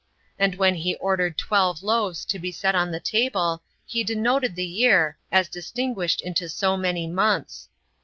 And when he ordered twelve loaves to be set on the table, he denoted the year, as distinguished into so many months.